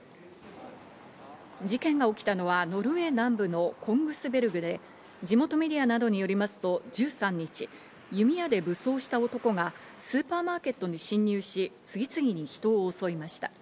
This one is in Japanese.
事件が起きたのはノルウェー南部のコングスベルグで地元メディアなどによりますと１３日、弓矢で武装した男がスーパーマーケットに侵入し、次々に人を襲いました。